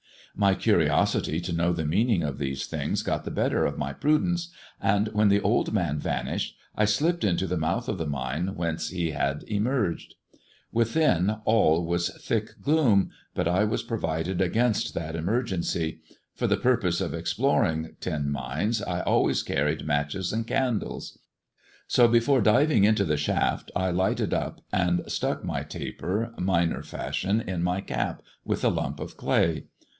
My curiosity to know the meaning of these things got the better of my prudence; and when the old man vanished, I slipped into the mouth of the mine whence he had emerged. Within all was thick gloom, but I was provided against that emergency. For the purpose of exploring tin mines, I always carried matches and candles ; so before diving into the shaft I lighted up, and stuck my taper, miner fashion, in my cap, with a lump of clay.